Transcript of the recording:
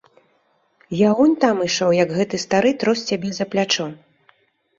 Я унь там ішоў, як гэты стары трос цябе за плячо.